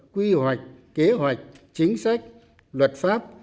quy hoạch kế hoạch chính sách luật pháp